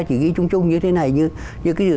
chỉ ghi chung chung như thế này như cái